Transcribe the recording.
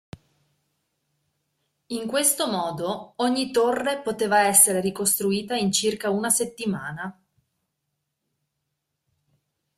In questo modo, ogni torre poteva essere ricostruita in circa una settimana.